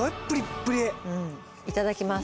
いただきます。